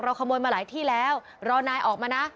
ขโมยมาหลายที่แล้วรอนายออกมานะ